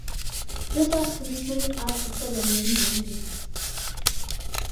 This was to be carried out before the main landings.